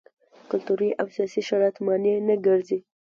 کلتوري او سیاسي شرایط مانع نه ګرځي.